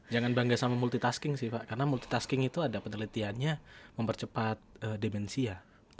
jangan bangga sama multitasking sih pak karena multitasking itu ada penelitiannya mempercepat demensia